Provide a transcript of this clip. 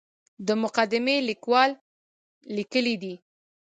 د مقدمې لیکوال لیکلي دي.